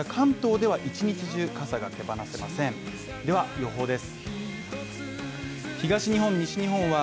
では、予報です。